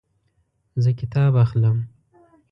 زه کتاب اخلم